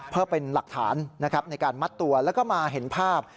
เพื่อเป็นหลักฐานนะครับในการมัดตัวแล้วก็มาเห็นภาพ